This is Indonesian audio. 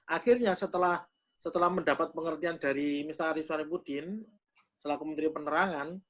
akhirnya setelah mendapat pengertian dari mr arief sari pudin selaku menteri penerangan